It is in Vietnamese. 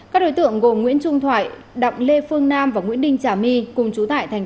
các đối tượng gồm nguyễn trung thoại đặng lê phương nam và nguyễn đinh trả mi cùng trú tại thành